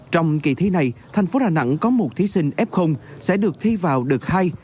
trong kỳ thi này thành phố đà nẵng có một thí sinh f sẽ được thi vào đợt hai